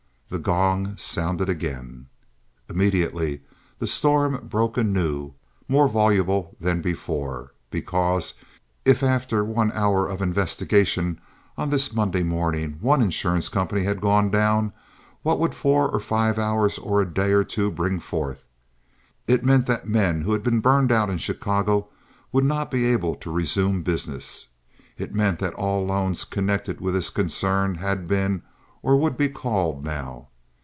The gong sounded again. Immediately the storm broke anew, more voluble than before, because, if after one hour of investigation on this Monday morning one insurance company had gone down, what would four or five hours or a day or two bring forth? It meant that men who had been burned out in Chicago would not be able to resume business. It meant that all loans connected with this concern had been, or would be called now.